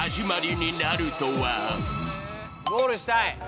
ゴールしたい！